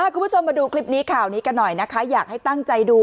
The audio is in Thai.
คุณผู้ชมมาดูคลิปนี้ข่าวนี้กันหน่อยนะคะอยากให้ตั้งใจดู